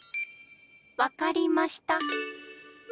わかりました！